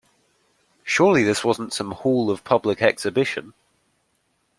Surely this wasn’t some hall of public exhibition!